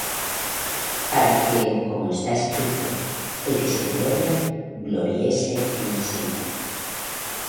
Para que, como está escrito: El que se gloría, gloríese en el Señor.